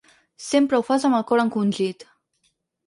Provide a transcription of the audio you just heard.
Sempre ho fas amb el cor encongit.